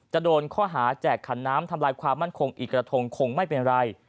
โดนข้อหาแจกขันน้ำทำลายความมั่นคงอีกกระทงคงไม่เป็นไร